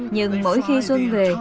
nhưng mỗi khi xuân về